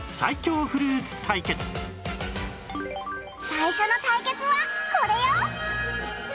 最初の対決はこれよ！